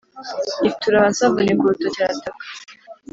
yitura hasi avunika urutoki arataka